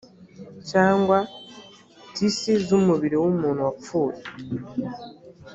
cyangwa tisi z umubiri w umuntu wapfuye